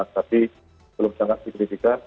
tapi belum sangat signifikan